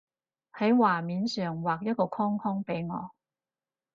喺畫面上畫一個框框畀我